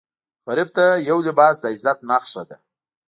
غریب ته یو لباس د عزت نښه ده